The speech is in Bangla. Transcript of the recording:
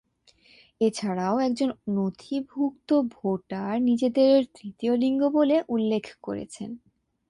এছাড়াও একজন নথিভূক্ত ভোটার নিজেদের তৃতীয় লিঙ্গ বলে উল্লেখ করেছেন।